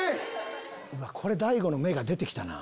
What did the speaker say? これ大悟の芽が出て来たな。